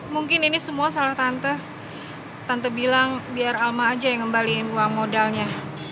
mungkin ini semua salah tante tante bilang biar alma aja yang ngembaliin uang modalnya